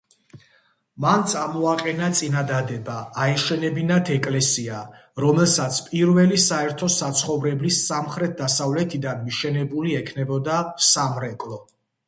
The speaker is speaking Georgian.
მან წამოაყენა წინადადება აეშენებინათ ეკლესია, რომელსაც პირველი საერთო საცხოვრებლის სამხრეთ-დასავლეთიდან მიშენებული ექნებოდა სამრეკლო.